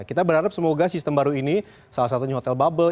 kita berharap semoga sistem baru ini salah satunya hotel bubble